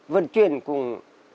vận chuyển cũng